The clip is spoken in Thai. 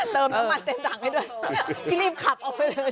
เติมมันเต็มถังให้ด้วยพี่รีบขับเอาไปเลย